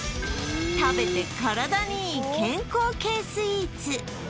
食べて体にいい健康系スイーツ